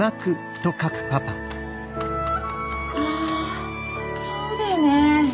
あそうだよね。